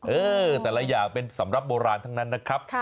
เออแต่ละอย่างเป็นสำหรับโบราณทั้งนั้นนะครับ